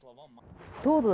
東部